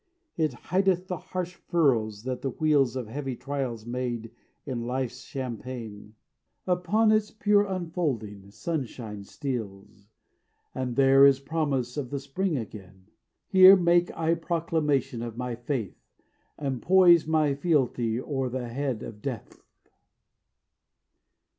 It hideth the harsh furrows that the wheels Of heavy trials made in Life's champaign; Upon its pure unfolding sunshine steals, And there is promise of the spring again. Here make I proclamation of my faith, And poise my fealty o'er the head of Death."